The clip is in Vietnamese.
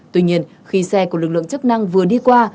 tuy nhiên khi xe của lực lượng chức năng vừa đi qua